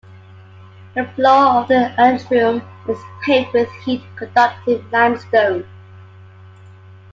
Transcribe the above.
The floor of the atrium is paved with heat conductive limestone.